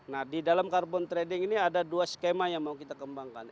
nah di dalam carbon trading ini ada dua skema yang mau kita kembangkan